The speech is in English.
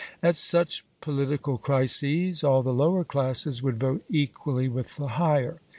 At such political crises, all the lower classes would vote equally with the higher.